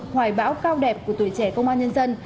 hoài bão cao đẹp của tuổi trẻ công an nhân dân